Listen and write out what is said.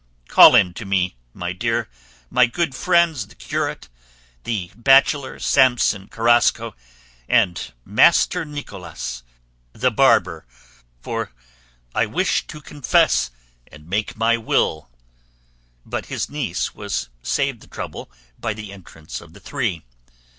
Call in to me, my dear, my good friends the curate, the bachelor Samson Carrasco, and Master Nicholas the barber, for I wish to confess and make my will." But his niece was saved the trouble by the entrance of the three.